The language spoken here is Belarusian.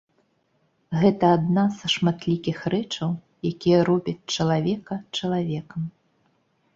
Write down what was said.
Гэта адна са шматлікіх рэчаў, якія робяць чалавека чалавекам.